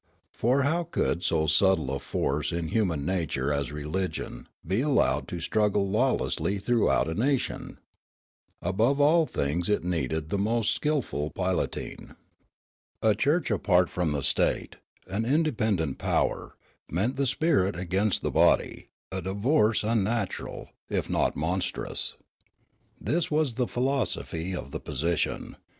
For how could so subtle a force in human nature as religion be allowed to straggle lawlessl} throughout a nation ? Above all things it needed the most skilful piloting. A church apart from the state, an independent power, meant the spirit against the body, a divorce unnatural, if not monstrous. This was the philosophy of the posi tion.